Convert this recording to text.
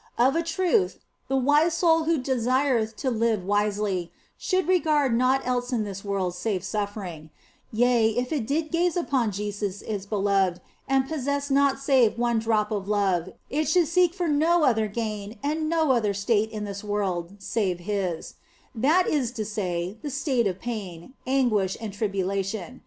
Of a truth, the wise soul who desireth to live wisely should regard naught else in this world save suffering ; yea, if it did gaze upon Jesus its Beloved and possessed naught save one drop of love, it should seek for no other gain and no other state in this world save His ; that is to say, the state of pain, anguish, and tribulation.